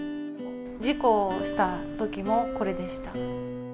事故したときもこれでした。